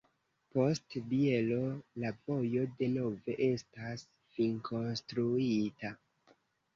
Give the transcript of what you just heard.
Post Bielo la vojo denove estas finkonstruita.